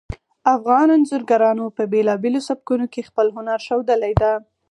افغان انځورګرانو په بیلابیلو سبکونو کې خپل هنر ښودلی ده